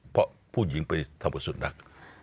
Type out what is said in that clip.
เพราะผู้หญิงไปทำอาจจุดนัก